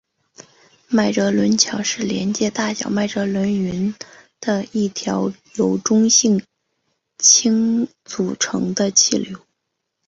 麦哲伦桥是连接大小麦哲伦云的一条由中性氢组成的气流。